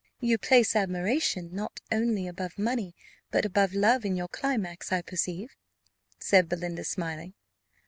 "You place admiration not only above money, but above love, in your climax, I perceive," said Belinda, smiling.